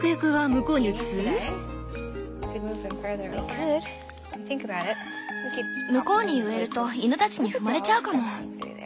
向こうに植えると犬たちに踏まれちゃうかも。